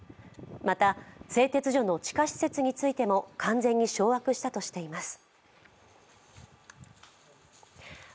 また、製鉄所の地下施設についても完全に掌握したとしています。